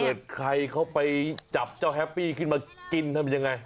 ใครเขาไปจับเจ้าแฮปปี้ขึ้นมากินทำยังไง